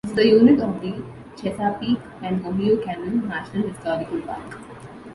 This is a unit of the Chesapeake and Ohio Canal National Historical Park.